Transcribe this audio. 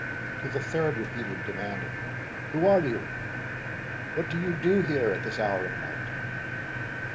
To the third repeated demand of "Who are you? What do you here at this hour of night?"